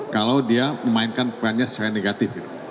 kalau dia memainkan perannya secara negatif